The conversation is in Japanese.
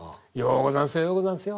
「ようござんすよ